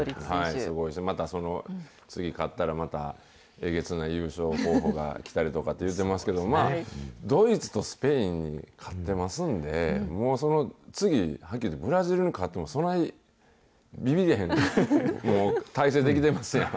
すごいし、またその次勝ったら、また、えげつない優勝候補が来たりとかって言うてますけど、まあ、ドイツとスペインに勝ってますんで、もうその次、はっきり言って、ブラジルに勝っても、そない、びびれへん、もう態勢出来てますやん。